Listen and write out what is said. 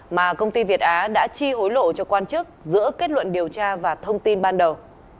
mà công ty việt á đã chi hối lộ cho quan chức giữa kết luận điều tra và thông tin ban đầu